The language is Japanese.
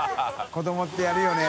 子どもってやるよね。